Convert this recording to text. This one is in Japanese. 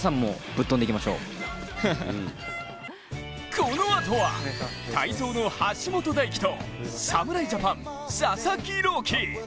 このあとは、体操の橋本大輝と侍ジャパン・佐々木朗希。